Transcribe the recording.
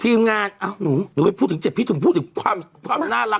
ทีมงานอ้าวหนูไปพูดถึงเจ็บพี่หนุ่มพูดถึงความน่ารัก